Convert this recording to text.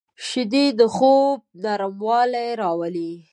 شیدې د خوب نرموالی راولي